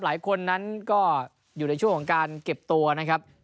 หลายคนนั้นก็อยู่ในช่วงของการเก็บตัวนะครับ